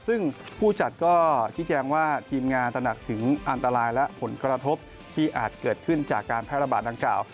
ซึ่งผู้จัดก็ชี้แจงว่าทีมงานตระหนักถึงอันตรายและผลกระทบที่อาจเกิดขึ้นจากการแพร่ระบาดดังกล่าว